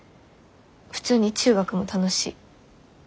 普通に中学も楽しい。